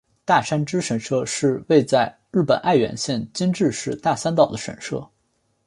大山只神社是位在日本爱媛县今治市大三岛的神社。